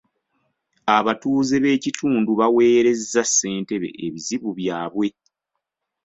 Abatuze b'ekitundu baweerezza ssentebe ebizibu byabwe.